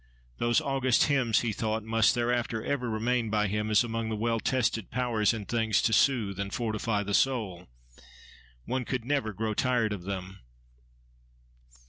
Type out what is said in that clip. Those august hymns, he thought, must thereafter ever remain by him as among the well tested powers in things to soothe and fortify the soul. One could never grow tired of them!